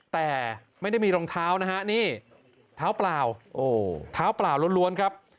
แต่ไม่ได้มีรองเท้านะฮะนี่ถ้าพลาวท้าพลาวโล่นครับ